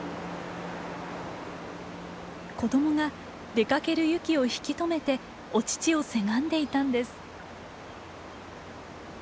子どもが出かけるユキを引き止めてお乳をせがんでいたんです。